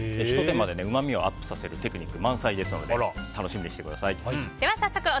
ひと手間でうまみをアップさせるテクニックが満載なので楽しみにしていてください。